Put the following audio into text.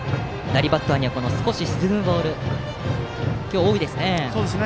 左バッターには少し沈むボールが今日、多いですね。